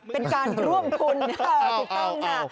เป็นการร่วมทุนค่ะถูกต้องค่ะ